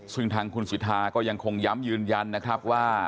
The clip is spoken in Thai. ซึ่งทางคุณสิทธาก็ยังคงย้ำยืนยันนะครับว่า